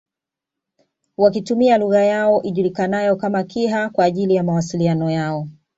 Wakitumia lugha yao ijulikanayo kama Kiha kwa ajili ya mwasiliano yao